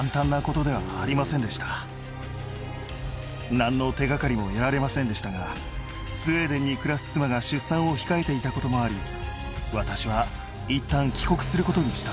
何の手掛かりも得られませんでしたがスウェーデンに暮らす妻が出産を控えていたこともあり私はいったん。になりました。